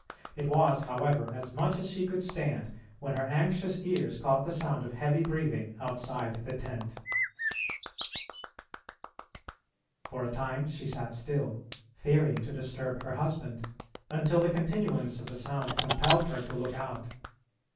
It was, however, as much as she could stand when her anxious ears caught the sound of heavy breathing outside the tent. For a time she sat still, fearing to disturb her husband, until the continuance of the sound compelled her to look out.